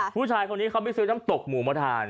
ผู้ชายคนนี้เขาไปซื้อน้ำตกหมูมาทาน